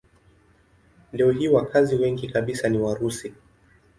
Leo hii wakazi wengi kabisa ni Warusi.